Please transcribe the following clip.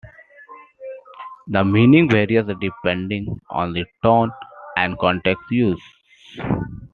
The meaning varies depending on the tone and context used.